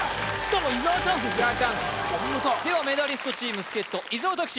伊沢チャンスではメダリストチーム助っ人伊沢拓司